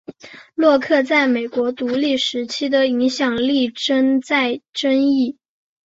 洛克在美国独立时期的影响力存在争议。